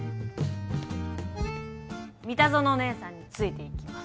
三田園姐さんについていきます。